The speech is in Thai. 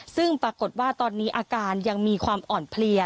ซึ่งปรากฏว่าตอนนี้อาการยังมีความอ่อนเพลีย